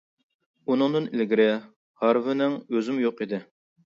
ئۇنىڭدىن ئىلگىرى ھارۋىنىڭ ئۆزىمۇ يوق ئىدى.